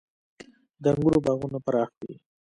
• د انګورو باغونه پراخ وي.